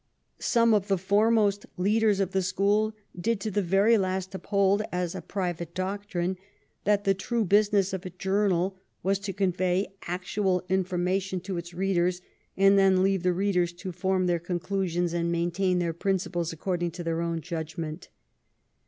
Some of the foremost leaders of the school did to the very last uphold as a private doctrine that the true business of a journal was to convey actual in formation to its readers, and then leave the readers to form their conclusions and maintain their principles according to their own judgment.